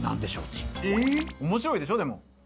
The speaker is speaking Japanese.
面白いでしょでも。